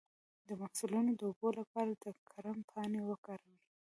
د مفصلونو د اوبو لپاره د کرم پاڼې وکاروئ